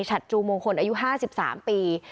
ฉัดจูมงคลอายุห้าสิบสามปี